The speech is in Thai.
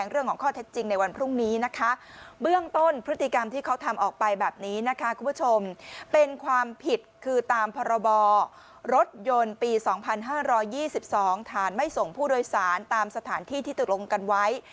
ระบอรถยนต์ปี๒๕๒๒ฐานไม่ส่งผู้โดยสารตามสถานที่ที่ตกลงกันไว้